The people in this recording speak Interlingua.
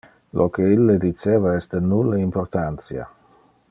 Lo que ille diceva es de nulle importantia.